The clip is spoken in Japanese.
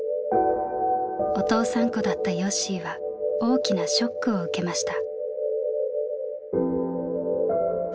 お父さんっ子だったよっしーは大きなショックを受けました。